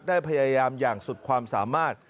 ได้พยายามอย่างสุดความสามารถ